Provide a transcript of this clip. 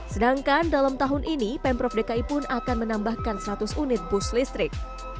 sedangkan dalam tahun ini pemprov dki pun akan menambahkan seratus unit bus listrik